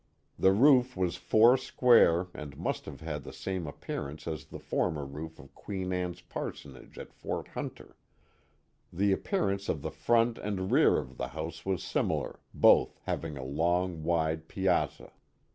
The roof was four square and must have had the same appearance as the former roof of Queen Anne's parsonage at Fort Hunter. The ap pearance of the front and rear of the house was similar, both having a long, wide piazza.